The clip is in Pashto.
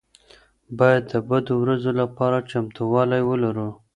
باید د بدو ورځو لپاره چمتووالی ولرو.